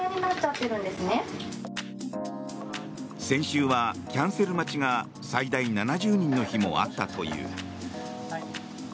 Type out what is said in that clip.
先週はキャンセル待ちが最大７０人の日もあったという。